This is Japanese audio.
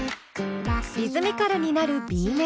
リズミカルになるＢメロ。